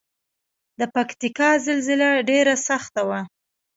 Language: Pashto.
د پکتیکا زلزله ډیره سخته وه